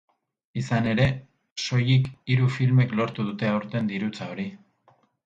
Izan ere, soilik hiru filmek lortu dute aurten dirutza hori.